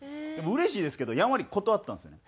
うれしいですけどやんわり断ったんですよね。